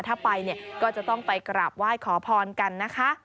ถ้าไปก็ก็จะต้องไปกราบว่ายขอพรกันนะคะ